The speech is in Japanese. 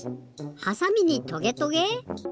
はさみにトゲトゲ？